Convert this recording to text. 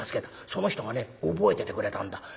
その人がね覚えててくれたんだ。